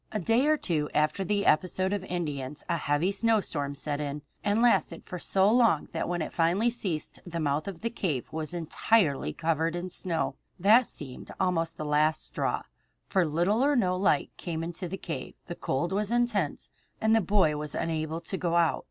A day or two after the episode of the Indians a heavy snowstorm set in, and lasted for so long that when it finally ceased the mouth of the cave was entirely covered with snow. That seemed almost the last straw, for little or no light came into the cave, the cold was intense, and the boy was unable to go out.